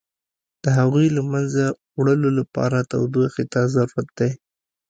د هغوی له منځه وړلو لپاره تودوخې ته ضرورت دی.